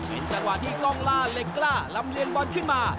เป็นจังหวะที่กล้องล่าเหล็กกล้าลำเลียงบอลขึ้นมา